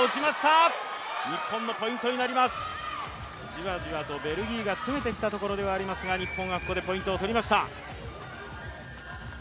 じわじわとベルギーが詰めてきたところではありますが、日本がここでポイントを取りました。